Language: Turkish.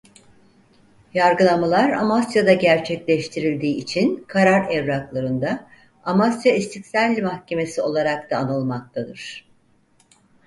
Yargılamalar Amasya'da gerçekleştirildiği için karar evraklarında "Amasya İstiklâl Mahkemesi" olarak da anılmaktadır.